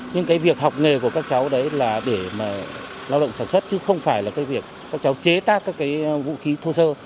nhưng cái việc học nghề của các cháu đấy là để mà lao động sản xuất chứ không phải là cái việc các cháu chế tác các cái vũ khí thô sơ